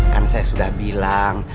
kan saya sudah bilang